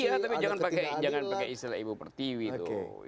iya tapi jangan pakai istilah ibu pertiwi tuh